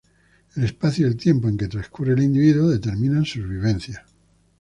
El espacio y el tiempo en que transcurre el individuo determinan sus vivencias.